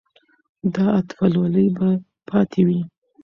دا اتلولي به پاتې وي.